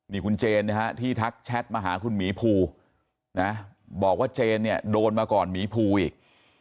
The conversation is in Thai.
นี่คุณเจนนะฮะที่ทักแชทมาหาคุณหมีภูนะบอกว่าเจนเนี่ยโดนมาก่อนหมีภูอีก